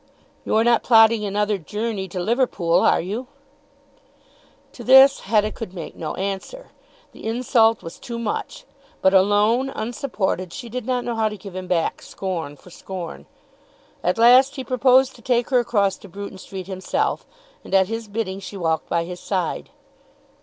"You are not plotting another journey to Liverpool; are you?" To this Hetta could make no answer. The insult was too much, but alone, unsupported, she did not know how to give him back scorn for scorn. At last he proposed to take her across to Bruton Street himself, and at his bidding she walked by his side.